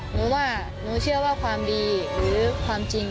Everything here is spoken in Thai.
หนูว่าหนูเชื่อว่าความดีหรือความจริง